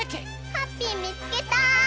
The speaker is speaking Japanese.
ハッピーみつけた！